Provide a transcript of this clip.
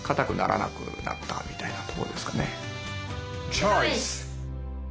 チョイス！